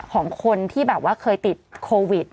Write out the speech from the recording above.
ของคนที่แบบว่าเคยติดโควิด